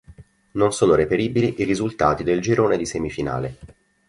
Non sono reperibili i risultati del girone di semifinale.